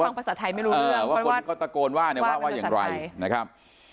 ก็ฟังภาษาไทยไม่รู้เรื่องเออว่าคนที่เขาตะโกนว่าเนี้ยว่าว่าอย่างไรนะครับ